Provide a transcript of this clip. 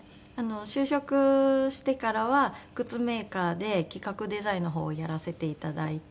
就職してからは靴メーカーで企画デザインのほうをやらせていただいて。